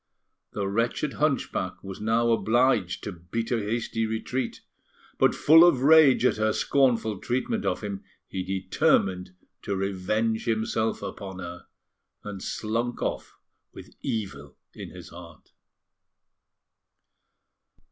The wretched hunchback was now obliged to beat a hasty retreat; but, full of rage at her scornful treatment of him, he determined to revenge himself upon her, and slunk off with evil in his heart.